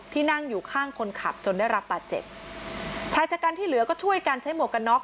ที่นั่งอยู่ข้างคนขับจนได้รับปลาเจ็ดใช้จัดการที่เหลือก็ช่วยกันใช้หมวกกระน็อก